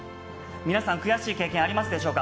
皆さん、悔しい経験ありますでしょうか？